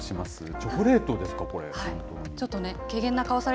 チョコレートですか、これ、本当に。